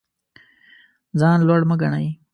ځان لوړ مه ګڼئ.